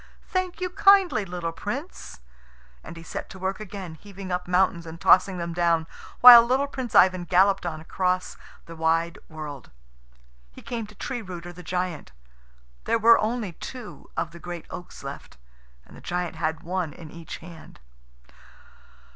Thank you kindly, little Prince." And he set to work again, heaving up mountains and tossing them down, while little Prince Ivan galloped on across the wide world. He came to Tree rooter, the giant. There were only two of the great oaks left, and the giant had one in each hand.